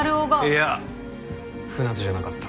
いや船津じゃなかった。